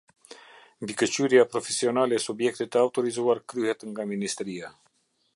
Mbikëqyrja profesionale e subjektit të autorizuar kryhet nga Ministria.